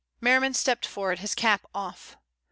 Merriman stepped forward, his cap off.